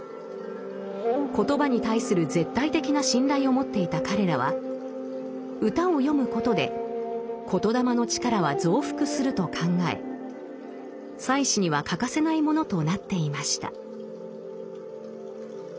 言葉に対する絶対的な信頼を持っていた彼らは歌を詠むことで言霊の力は増幅すると考え祭祀には欠かせないものとなっていました。